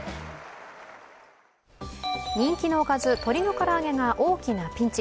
人気のおかず、鶏の唐揚げが大きなピンチ。